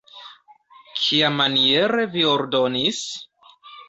Kiamaniere vi ordonis?